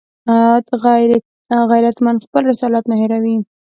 غیرتمند خپل رسالت نه هېروي